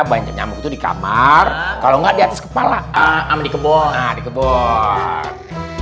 banyak nyamuk itu di kamar kalau enggak di atas kepala dikeboh dikebor